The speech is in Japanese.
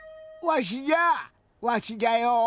わしじゃわしじゃよ。